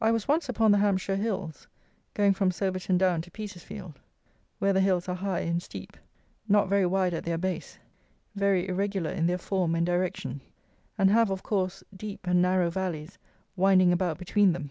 I was once upon the Hampshire Hills, going from Soberton Down to Petersfield, where the hills are high and steep, not very wide at their base, very irregular in their form and direction, and have, of course, deep and narrow valleys winding about between them.